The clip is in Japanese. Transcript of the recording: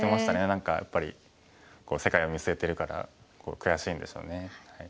何かやっぱり世界を見据えてるから悔しいんでしょうね。